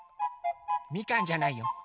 みかんじゃないよ。